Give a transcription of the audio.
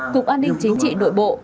cục an ninh chính trị nội bộ